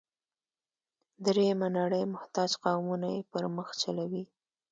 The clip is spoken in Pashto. درېیمه نړۍ محتاج قومونه یې پر مخ چلوي.